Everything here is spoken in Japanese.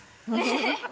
ハハハ。